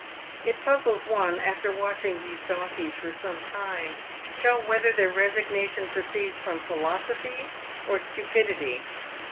It puzzles one, after watching these donkeys for some time, to tell whether their resignation proceeds from philosophy or stupidity.